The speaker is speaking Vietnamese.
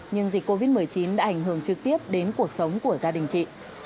nhưng dịch covid một mươi chín đã ảnh hưởng trực tiếp đến cuộc sống của gia đình chị